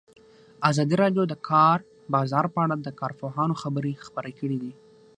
ازادي راډیو د د کار بازار په اړه د کارپوهانو خبرې خپرې کړي.